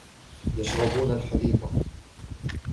يشربون الحليب.